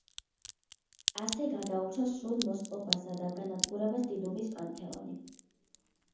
ასე გადაურჩა სრულ მოსპობასა და განადგურებას დიდუბის პანთეონი.